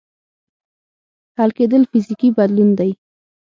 حل کېدل فزیکي بدلون دی.